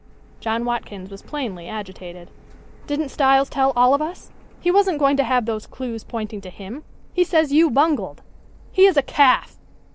John Watkins was plainly agitated. "Didn't Styles tell all of us? He wasn't going to have those clews pointing to him. He says you bungled." "He is a calf!"